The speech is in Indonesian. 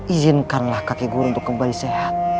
izinkanlah kaki guru untuk kembali sehat